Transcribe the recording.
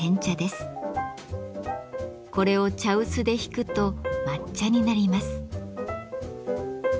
これを茶臼でひくと抹茶になります。